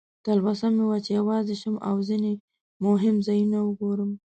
تلوسه مې وه چې یوازې شم او ځینې مهم ځایونه وګورم.